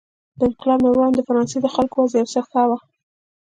د انقلاب نه وړاندې د فرانسې د خلکو وضع یو څه ښه وه.